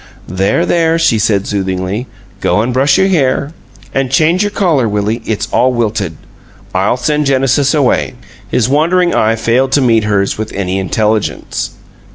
"There, there," she said, soothingly. "Go and brush your hair. And change your collar, Willie; it's all wilted. I'll send Genesis away." His wandering eye failed to meet hers with any intelligence.